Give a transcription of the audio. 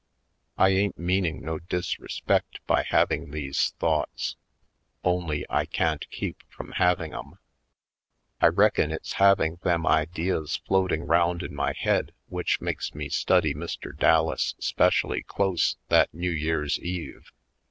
I ain't meaning no disrespect by having these thoughts; only I can't keep from having 'em. I reckon it's having them ideas floating round in my head which makes me study Mr. Dallas 'specially close that New Year's Eve.